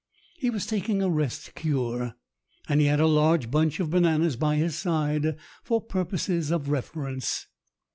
He was taking a rest cure, and he had a large bunch of bananas by his side for purposes of reference.